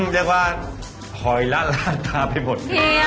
เรียกว่าหอยละลาตาไปหมด